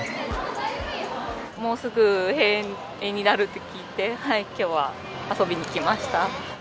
もうすぐ閉園になるって聞いて、きょうは遊びに来ました。